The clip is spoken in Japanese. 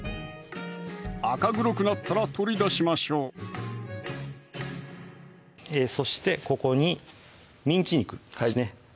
赤黒くなったら取り出しましょうそしてここにミンチ肉ですね